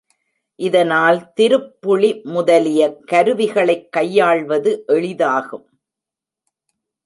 இதனால் திருப்புளி முதலிய கருவிகளைக் கையாள்வது எளிதாகும்.